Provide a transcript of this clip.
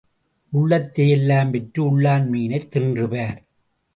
உள்ளதை எல்லாம் விற்று உள்ளான் மீனைத் தின்று பார்.